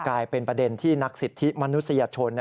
กลายเป็นประเด็นที่นักสิทธิมนุษยชน